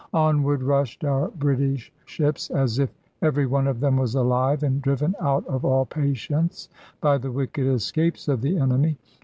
Onward rushed our British ships, as if every one of them was alive, and driven out of all patience by the wicked escapes of the enemy.